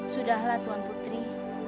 sudahlah tuan putri